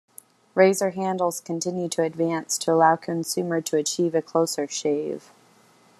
Razor handles continued to advance to allow consumer to achieve a closer shave.